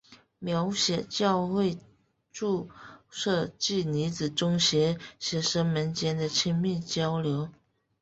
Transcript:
描写教会住宿制女子中学学生们间的亲密交流。